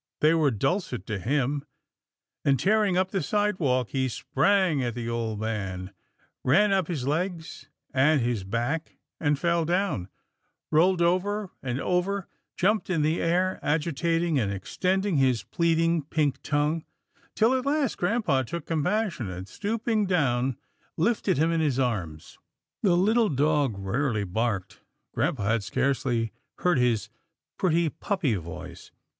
They were dulcet to him, and, tearing up the walk, he sprang at the old man, ran up his legs and his back, fell down, rolled over and over, jumped in the air, agitating and extending his pleading pink tongue, till at last grampa took compassion, and stooping down, lifted him in his arms. The ^ little dog rarely barked. Grampa had scarcely yet heard his pretty puppy voice.